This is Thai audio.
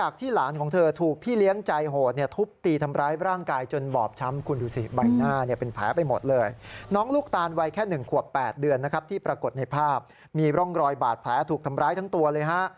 ก็กดในภาพมีร่องรอยบาดแผลถูกทำร้ายทั้งตัวเลยฮะ